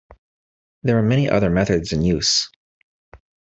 There are many other methods in use.